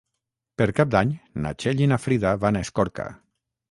Per Cap d'Any na Txell i na Frida van a Escorca.